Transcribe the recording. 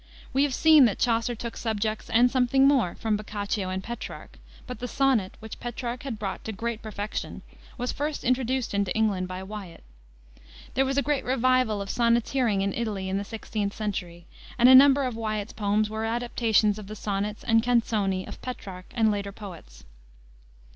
We have seen that Chaucer took subjects and something more from Boccaccio and Petrarch. But the sonnet, which Petrarch had brought to great perfection, was first introduced into England by Wiat. There was a great revival of sonneteering in Italy in the 16th century, and a number of Wiat's poems were adaptations of the sonnets and canzoni of Petrarch and later poets.